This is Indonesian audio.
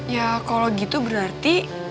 ya kalo gitu berarti